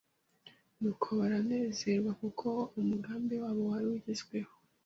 Nuko baranezerwa kuko umugambi wabo wari ugezweho